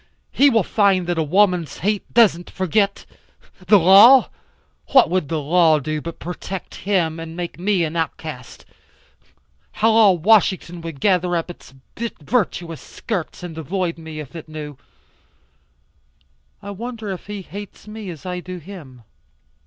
He will find that a woman's hate doesn't forget. The law? What would the law do but protect him and make me an outcast? How all Washington would gather up its virtuous skirts and avoid me, if it knew. I wonder if he hates me as I do him?"